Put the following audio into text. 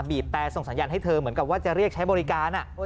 แต่ส่งสัญญาณให้เธอเหมือนกับว่าจะเรียกใช้บริการ